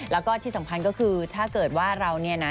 แล้วก็ที่สำคัญก็คือถ้าเกิดว่าเราเนี่ยนะ